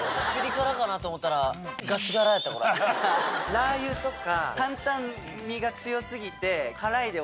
ラー油とか。